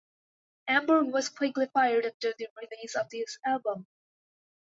Amberg was quickly fired after the release of the album.